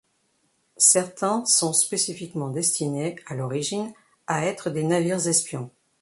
Certains sont spécifiquement destinés à l'origine à être des navires-espions.